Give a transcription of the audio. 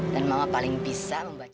dan mama paling bisa membantu